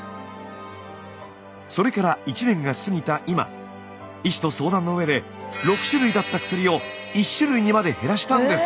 それから１年が過ぎた今医師と相談のうえで６種類だった薬を１種類にまで減らしたんです。